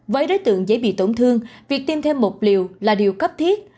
với đối tượng dễ bị tổn thương việc tiêm thêm một liều là điều cấp thiết